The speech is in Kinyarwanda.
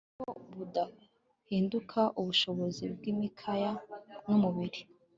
mu buryo budahinduka ubushobozi bwimikaya numubiri